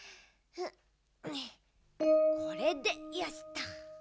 これでよしと！